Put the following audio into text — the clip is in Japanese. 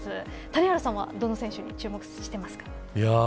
谷原さんはどの選手に注目していますか。